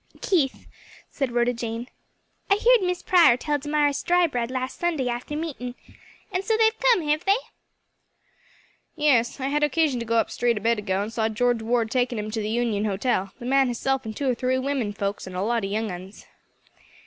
"Keith," said Rhoda Jane, "I heerd Miss Prior tell Damaris Drybread last Sunday after meetin'. And so they've come, hev they?" "Yes; I had occasion to go up street a bit ago, and saw George Ward takin' 'em to the Union Hotel; the man hisself and two or three wimmin folks and a lot of young uns."